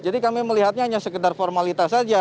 jadi kami melihatnya hanya sekedar formalitas saja